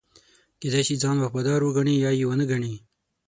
کېدای شي ځان وفادار وګڼي یا یې ونه ګڼي.